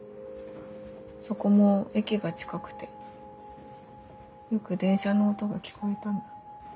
そこも駅が近くてよく電車の音が聞こえたんだ。